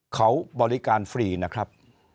เขาบริการฟรีนะครับ